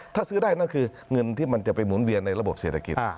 ถ้าซื้อได้นั่นคือเงินที่มันจะไปหมุนเวียนในระบบเศรษฐกิจ